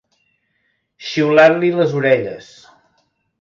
Xiular-li les orelles.